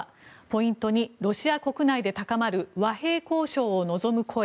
ポイント２ロシア国内で高まる和平交渉を望む声。